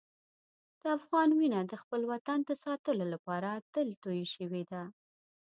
د افغان وینه د خپل وطن د ساتلو لپاره تل تویې شوې ده.